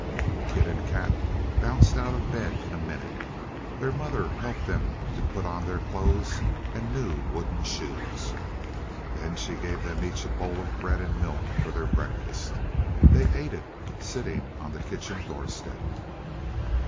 Kit and Kat bounced out of bed in a minute. Their mother helped them to put on their clothes and new wooden shoes. Then she gave them each a bowl of bread and milk for their breakfast. They ate it sitting on the kitchen doorstep.